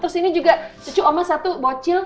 terus ini juga suci oma satu bocil